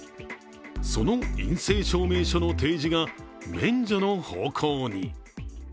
その陰性証明書の提示が免除の方向に。